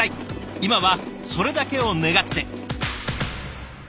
今はそれだけを願って。